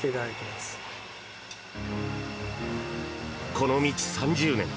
この道３０年